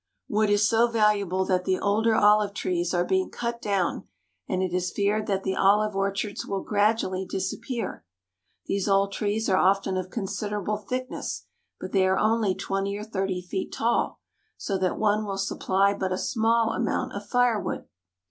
Wood is so valuable that the older olive trees are being cut down, and it is feared that the olive orchards will gradually disappear. These old trees are often of considerable thickness, but they are only twenty or thirty feet tall so that one will supply but a small amount of firewood.